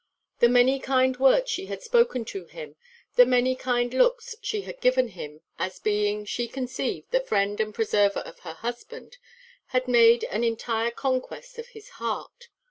The many kind words she had spoken to him, the many kind looks she had given him, as being, she conceived, the friend and preserver of her husband, had made an entire conquest of his heart.